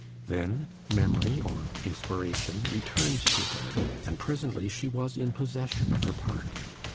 Then memory, or inspiration, returned to her, and presently she was in possession of her part.